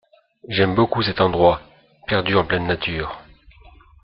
J’aime beaucoup cet endroit perdu en pleine nature.